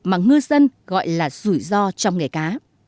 mà ngư dân gọi là rủi ro trong nghề cá